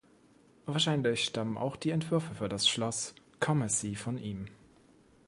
Wahrscheinlich stammen auch die Entwürfe für das Schloss Commercy von ihm.